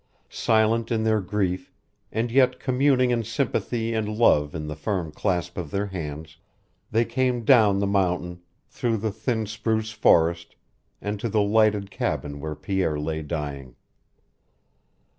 Silent in their grief, and yet communing in sympathy and love in the firm clasp of their hands, they came down the mountain, through the thin spruce forest, and to the lighted cabin where Pierre lay dying.